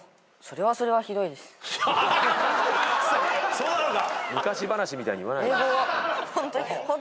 そうなのか。